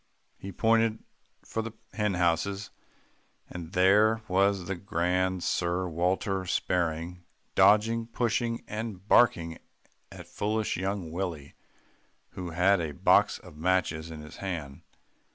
He pointed for the hen houses, and there was the grand Sir Walter sparring, dodging, pushing and barking at foolish young Willie who had a box of matches in his hand.